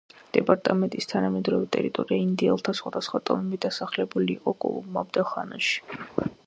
დეპარტამენტის თანამედროვე ტერიტორია ინდიელთა სხვადასხვა ტომებით დასახლებული იყო კოლუმბამდელ ხანაში.